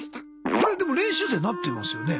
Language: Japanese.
あれでも練習生なってますよね？